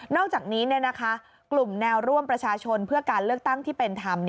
อกจากนี้กลุ่มแนวร่วมประชาชนเพื่อการเลือกตั้งที่เป็นธรรม